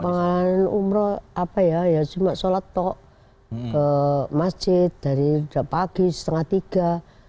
pengalaman umroh apa ya ya simak sholat tok ke masjid dari pagi setengah tiga